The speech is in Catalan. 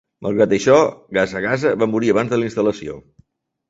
Malgrat això, Gasagasa va morir abans de la instal·lació.